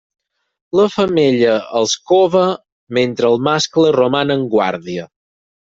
La femella els cova, mentre el mascle roman en guàrdia.